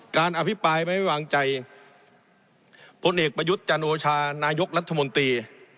อภิปรายไม่วางใจพลเอกประยุทธ์จันโอชานายกรัฐมนตรี